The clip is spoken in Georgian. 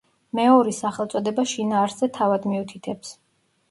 მეორის სახელწოდება შინაარსზე თავად მიუთითებს.